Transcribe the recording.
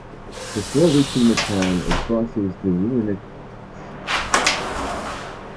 Before reaching the town, it crosses the Rooinek Pass.